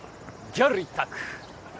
ギャル一択！